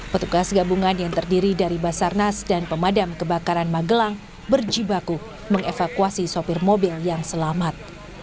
petugas gabungan yang terdiri dari basarnas dan pemadam kebakaran magelang berjibaku mengevakuasi sopir mobil yang selamat